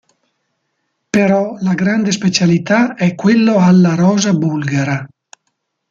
Però la grande specialità è quello alla rosa bulgara.